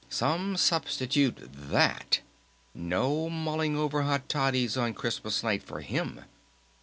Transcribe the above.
Some substitute that! No mulling over hot toddies on Christmas night for him!